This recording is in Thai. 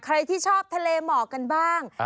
ใครที่ชอบทะเลหมอกกันบ้าง